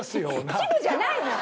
恥部じゃないもん！